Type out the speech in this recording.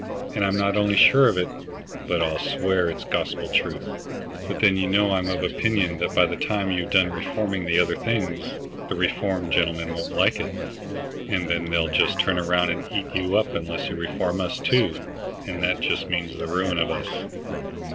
"And I'm not only sure of it, but I'll swear it's gospel truth. But then, you know, I'm of opinion that by the time you've done reforming the other things, the reformed gentlemen won't like it, and then they'll just turn round and eat you up unless you reform us too, and that just means the ruin of us."